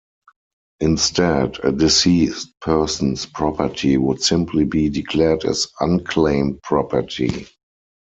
Instead, a deceased person's property would simply be declared as unclaimed property.